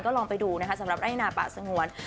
แท้จีนก็ลองไปดูนะครับสำหรับไอนาปาสงวน